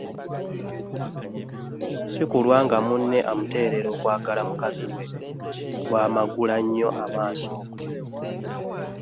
Sikulwa nga munne amuteerera okwagala mukazi we bw’amaggula ennyo amaaso.